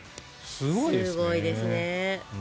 すごいですね。